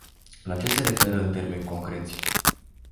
La ce se referă, în termeni concreți?